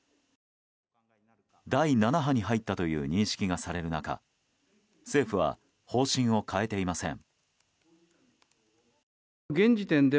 第７波に入ったという認識がされる中政府は方針を変えていません。